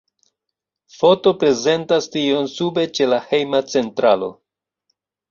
Foto prezentas tion sube ĉe la hejma centralo.